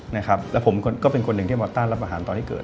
และผมก็เป็นคนหนึ่งที่มัวต้านรับอาหารตอนที่เกิด